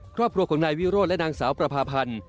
ครอบครัวของนายวิโรธและนางสาวประพาพันธ์